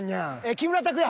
木村拓哉。